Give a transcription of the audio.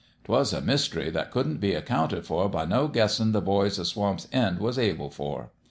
'Twas a mystery that couldn't be ac counted for by no guessin' the boys o' Swamp's End was able for.